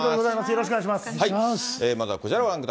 よろしくお願いします。